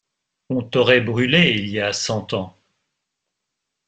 On t’aurait brûlé il y a cent ans.